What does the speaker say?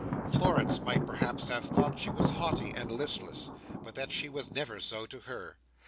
Florence might perhaps have thought she was haughty and listless, but that she was never so to her.